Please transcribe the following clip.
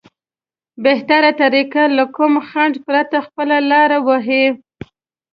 بهتره طريقه له کوم خنډ پرته خپله لاره ووهي.